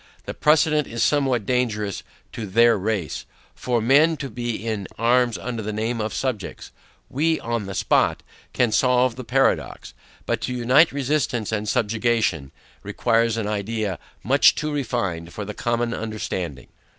The precedent is somewhat dangerous to THEIR PEACE, for men to be in arms under the name of subjects; we, on the spot, can solve the paradox: but to unite resistance and subjection, requires an idea much too refined for the common understanding.